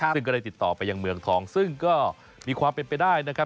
ซึ่งก็ได้ติดต่อไปยังเมืองทองซึ่งก็มีความเป็นไปได้นะครับ